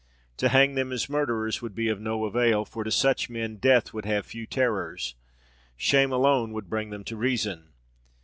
To hang them as murderers would be of no avail; for to such men death would have few terrors. Shame alone would bring them to reason.